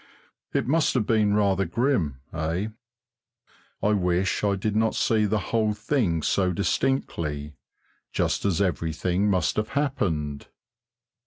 It must have been rather grim, eh? I wish I did not see the whole thing so distinctly, just as everything must have happened.